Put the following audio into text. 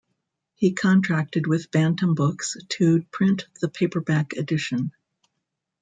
He contracted with Bantam Books to print the paperback edition.